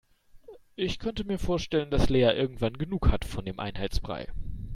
Ich könnte mir vorstellen, dass Lea irgendwann genug hat von dem Einheitsbrei.